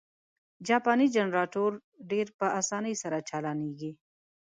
جاپانی جنرټور ډېر په اسانۍ سره چالانه کېږي.